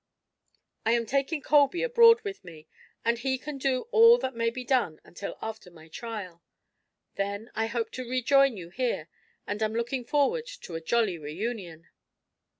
"I am taking Colby abroad with me and he can do all that may be done until after my trial. Then I hope to rejoin you here and am looking forward to a jolly reunion."